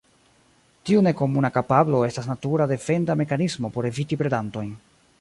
Tiu nekomuna kapablo estas natura defenda mekanismo por eviti predantojn.